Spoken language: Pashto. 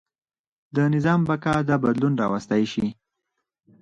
د نظام بقا دا بدلون راوستی.